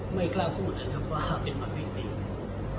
ไม่ขลาดพูดว่าเป็นปรัสวิเศษ